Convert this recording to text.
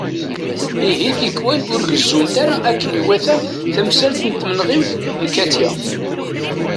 Ihi, tikwal ur gezzunt ara akken iwata tamsalt n tmenɣiwt n Katiya.